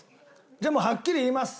じゃあもうはっきり言います。